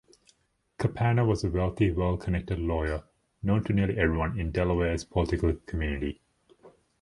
Capano was a wealthy, well-connected lawyer, known to nearly everyone in Delaware's political community.